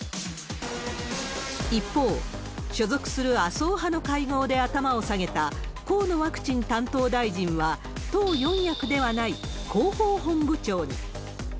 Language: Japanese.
一方、所属する麻生派の会合で頭を下げた、河野ワクチン担当大臣は、党四役ではない広報本部長に。